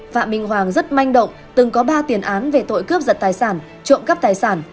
phạm minh hoàng rất manh động từng có ba tiền án về tội cướp giật tài sản trộm cắp tài sản